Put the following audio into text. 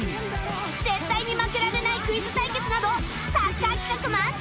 絶対に負けられないクイズ対決などサッカー企画満載！